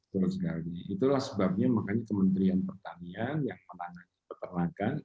betul sekali itulah sebabnya makanya kementerian pertanian yang menangani peternakan